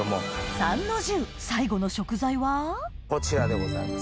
参の重最後の食材はこちらでございます。